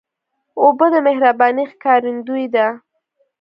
اوبه د مهربانۍ ښکارندویي ده.